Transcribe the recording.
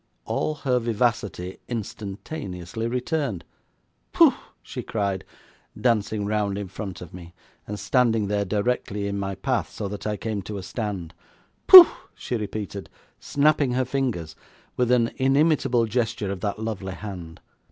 All her vivacity instantaneously returned. 'Pooh!' she cried, dancing round in front of me, and standing there directly in my path, so that I came to a stand. 'Pooh!' she repeated, snapping her fingers, with an inimitable gesture of that lovely hand.